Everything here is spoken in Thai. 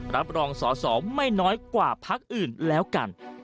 รับรองสอสอไม่น้อยกว่าพักอื่นแล้วกัน